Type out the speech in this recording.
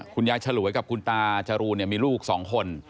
คุณยายฉลวยกับคุณตาจรูมีลูกสองคน